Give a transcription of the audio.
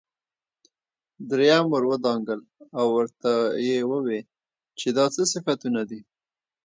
دريم ور ودانګل او ورته يې وويل چې دا څه صفتونه دي.